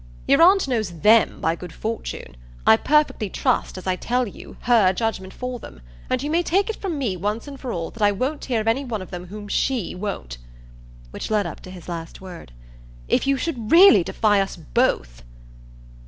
Your aunt knows THEM, by good fortune; I perfectly trust, as I tell you, her judgement for them; and you may take it from me once for all that I won't hear of any one of whom SHE won't." Which led up to his last word. "If you should really defy us both